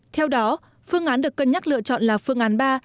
theo đó phương án được cân nhắc lựa chọn là phương án ba